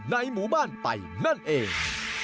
ในหมู่บ้านไปนั่นเอง